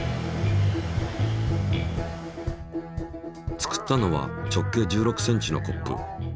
作ったのは直径１６ｃｍのコップ。